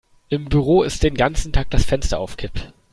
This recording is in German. Im Büro ist den ganzen Tag das Fenster auf Kipp.